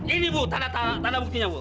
ini bu tanda buktinya bu